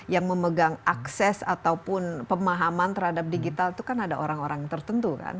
yang memegang akses ataupun pemahaman terhadap digital itu kan ada orang orang tertentu kan